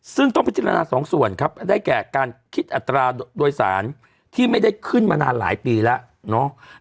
ซึ่งต้องพิจารณาสองส่วนครับได้แก่การคิดอัตราโดยสารที่ไม่ได้ขึ้นมานานหลายปีแล้วเนาะ